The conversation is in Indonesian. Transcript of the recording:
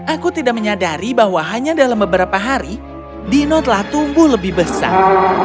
aku tidak menyadari bahwa hanya dalam beberapa hari dino telah tumbuh lebih besar